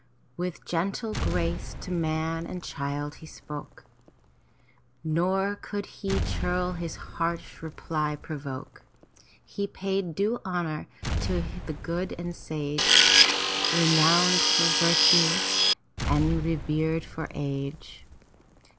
With gentle grace to man and child he spoke. Nor could the churl his harsh reply provoke. He paid due honor to the good and sage, Renowned for virtue and revered for age.